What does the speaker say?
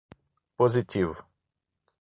Positivo.